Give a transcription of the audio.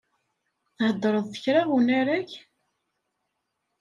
Theddreḍ d kra unarag?